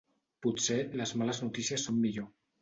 Potser les males notícies són millor.